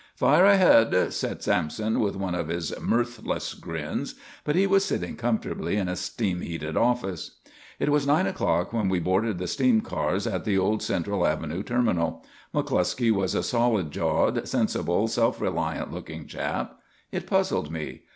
"Fire ahead," said Sampson, with one of his mirthless grins. But he was sitting comfortably in a steam heated office. It was nine o'clock when we boarded the steam cars at the old Central Avenue terminal. McCluskey was a solid jawed, sensible, self reliant looking chap. It puzzled me.